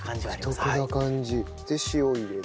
独特な感じ。で塩入れて。